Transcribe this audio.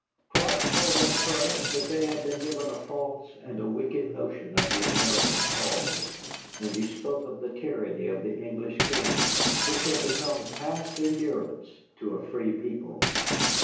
Clark told them first that they had been given a false and a wicked notion of the American cause, and he spoke of the tyranny of the English king, which had become past endurance to a free people.